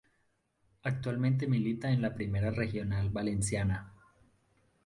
Actualmente milita en la Primera Regional Valenciana.